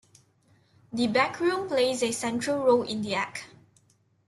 The backroom plays a central role in the act.